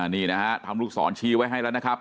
นี่นะฮะทำลูกศรชี้ไว้ให้แล้วนะครับ